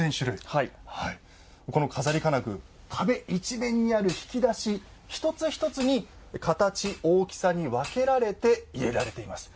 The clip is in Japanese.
この錺金具壁一面にある引き出し一つ一つに形大きさに分けられて入れられています。